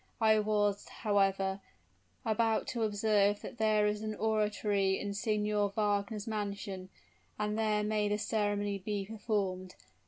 I was, however, about to observe that there is an oratory in Signor Wagner's mansion; and there may the ceremony be performed.